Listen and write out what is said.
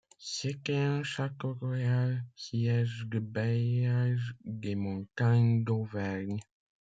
C'était un château royal, siège du Bailliage des Montagnes d'Auvergne.